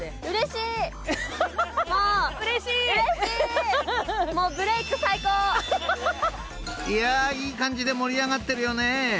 ［いやぁいい感じで盛り上がってるよね］